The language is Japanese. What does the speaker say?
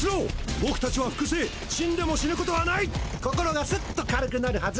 「僕達は複製死んでも死ぬ事はない！」心がスッと軽くなるハズ。